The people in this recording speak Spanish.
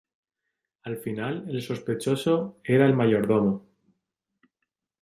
Al final el sospechoso, era el mayordomo.